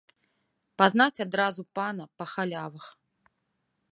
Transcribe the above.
Пазнаць адразу пана па халявах.